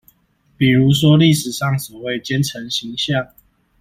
比如說歷史上所謂奸臣形象